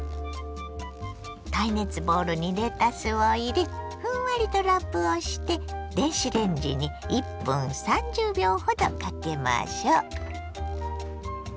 耐熱ボウルにレタスを入れふんわりとラップをして電子レンジに１分３０秒ほどかけましょ。